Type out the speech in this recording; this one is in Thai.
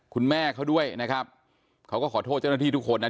คุณแม่เขาด้วยนะครับเขาก็ขอโทษเจ้าหน้าที่ทุกคนนะ